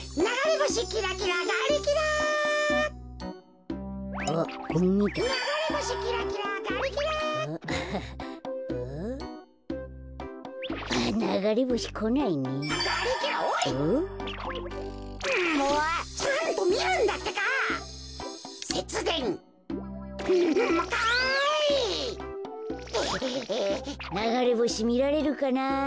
ながれぼしみられるかな。